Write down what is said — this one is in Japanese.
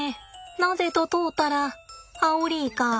なぜと問うたらアオリイカ」。